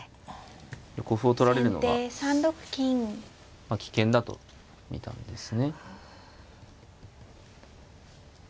横歩を取られるのは危険だと見たんですね。